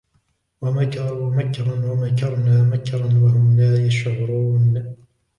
وَمَكَرُوا مَكْرًا وَمَكَرْنَا مَكْرًا وَهُمْ لَا يَشْعُرُونَ